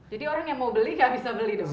jadi orang yang mau beli nggak bisa beli dong